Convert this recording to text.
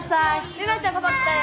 玲奈ちゃんパパ来たよ。